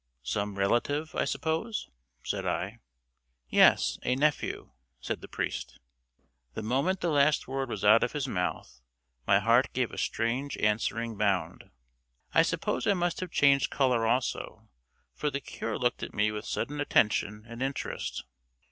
"Some relative, I suppose?" said I. "Yes a nephew," said the priest. The moment the last word was out of his mouth, my heart gave a strange answering bound. I suppose I must have changed color also, for the cure looked at me with sudden attention and interest.